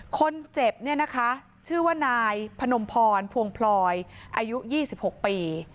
คนเจ็บเนี่ยนะคะชื่อว่านายพนมพรพวงพลอยอายุ๒๖ปี